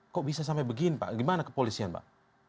kok bisa sampai begini pak gimana kepolisian pak